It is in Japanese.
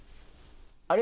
あれ？